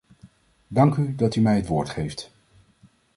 Dank u dat u mij het woord geeft.